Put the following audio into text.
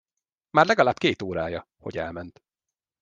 Már legalább két órája, hogy elment.